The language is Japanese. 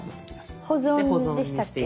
保存でしたっけ？